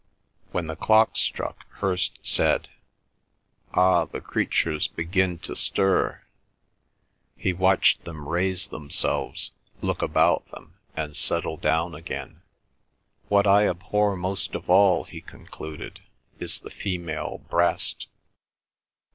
When the clock struck, Hirst said: "Ah, the creatures begin to stir. ..." He watched them raise themselves, look about them, and settle down again. "What I abhor most of all," he concluded, "is the female breast.